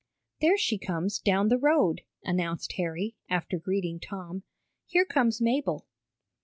"There she comes down the road," announced Harry, after greeting Tom. "Here comes Mabel!"